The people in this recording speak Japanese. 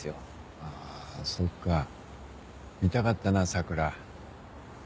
あそっか見たかったな桜。